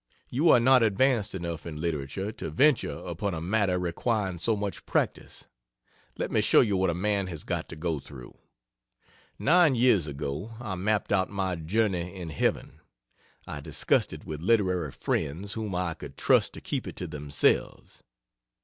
You are not advanced enough in literature to venture upon a matter requiring so much practice. Let me show you what a man has got to go through: Nine years ago I mapped out my "Journey in Heaven." I discussed it with literary friends whom I could trust to keep it to themselves.